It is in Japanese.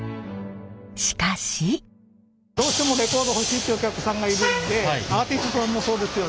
しかし！どうしてもレコード欲しいっていうお客さんがいるんでアーティストさんもそうですよね。